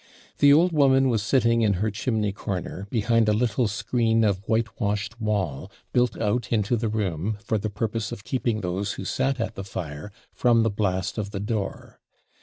The old woman was sitting in her chimney corner, behind a little skreen of whitewashed wall, built out into the room, for the purpose of keeping those who sat at the fire from the BLAST OF THE DOOR.